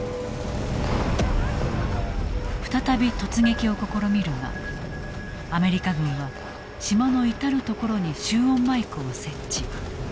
再び突撃を試みるがアメリカ軍は島の至る所に集音マイクを設置。